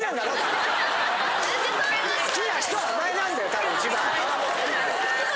たぶん一番。